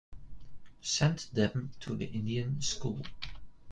Send them to the Indian school.